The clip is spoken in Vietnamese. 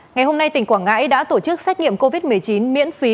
ngày hôm nay tỉnh quảng ngãi đã tổ chức xét nghiệm covid một mươi chín miễn phí